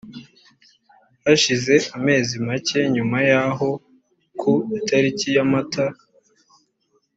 hashize amezi make nyuma yaho ku itariki ya mata